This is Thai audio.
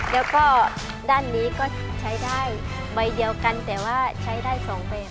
แล้วก็ด้านนี้ก็ใช้ได้ใบเดียวกันแต่ว่าใช้ได้สองแบบ